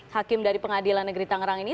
hakim dari pengadilan negeri tangerang ini